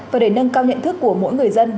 và để nâng cao nhận thức của mỗi người dân